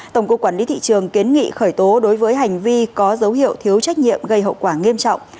tổng cục quản lý thị trường kiến nghị khởi tố đối với hành vi có dấu hiệu thiếu trách nhiệm gây hậu quả nghiêm trọng